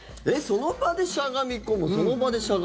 その場でしゃがみ込む。